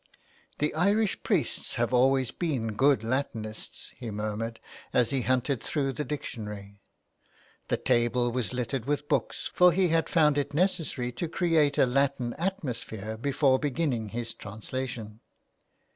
'' The Irish priests have always been good Latin ists," he murmured as he hunted through the dictionary. The table was littered with books, for he had found it necessary to create a Latin atmosphere before beginning his translation.